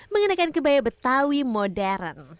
mengenakan kebaya betawi modern